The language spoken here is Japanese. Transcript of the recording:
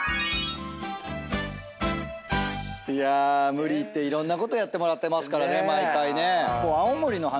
無理言っていろんなことやってもらってますから毎回ね。